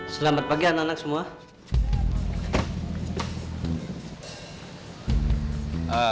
selamat pagi anak anak semua